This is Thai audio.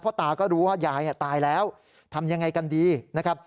ตาก็รู้ว่ายายตายแล้วทำยังไงกันดีนะครับ